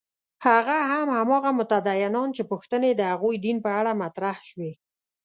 هغه هم هماغه متدینان چې پوښتنې د هغوی دین په اړه مطرح شوې.